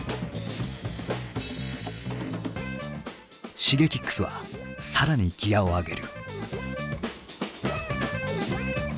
Ｓｈｉｇｅｋｉｘは更にギアを上げる。